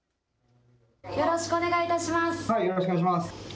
よろしくお願いします。